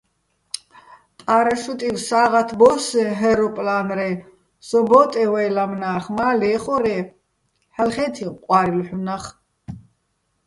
პა́რაშუტივ სა́ღათ ბო́სსეჼ ჰე́როპლა́ნრეჼ, სო ბო́ტეჼ ვაჲ ლამნა́ხ, მა, ლე́ხორე́, ჰ̦ალო̆ ხე́თიჼ ყვა́რილ ჰ̦უნახ.